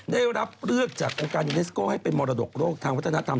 ได้รับเลือกจากองค์การยูเนสโก้ให้เป็นมรดกโลกทางวัฒนธรรม